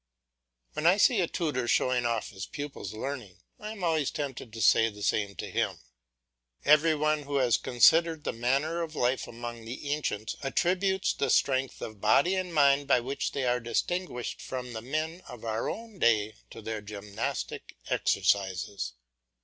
When I see a tutor showing off his pupil's learning, I am always tempted to say the same to him. Every one who has considered the manner of life among the ancients, attributes the strength of body and mind by which they are distinguished from the men of our own day to their gymnastic exercises.